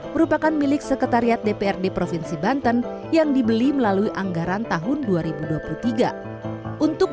merupakan milik sekretariat dprd provinsi banten yang dibeli melalui anggaran tahun dua ribu dua puluh tiga untuk